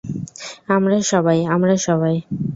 আমরা সবাই, - আমরা সবাই।